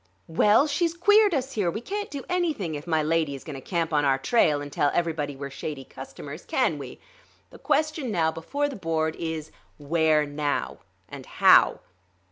"Well, she's queered us here. We can't do anything if my lady is going to camp on our trail and tell everybody we're shady customers, can we? The question now before the board is: Where now, and how?"